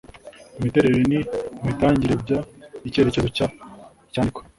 imiterere n imitangire by icyemezo cy iyandikwa